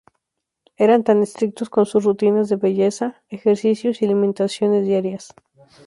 Eran tan estrictos como sus rutinas de belleza, ejercicios y alimentación diarias.